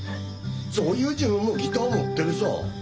そういう自分もギター持ってるさぁ。